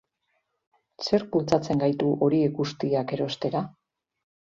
Zerk bultzatzen gaitu horiek guztiak erostera?